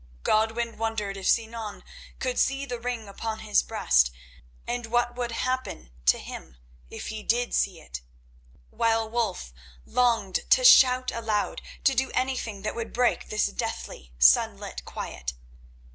Godwin wondered if Sinan could see the ring upon his breast, and what would happen to him if he did see it; while Wulf longed to shout aloud, to do anything that would break this deathly, sunlit quiet.